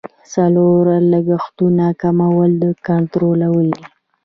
څلورم د لګښتونو کمول او کنټرولول دي.